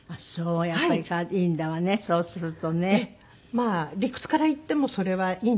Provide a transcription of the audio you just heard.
まあ理屈からいってもそれはいいんじゃないかなと。